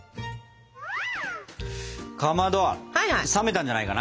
かまど冷めたんじゃないかな。